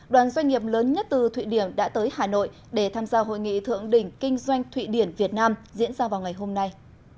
đoàn doanh nghiệp lớn nhất từ thụy điển đã tới hà nội để tham gia hội nghị thượng đỉnh kinh doanh thụy điển việt nam diễn ra vào ngày hôm nay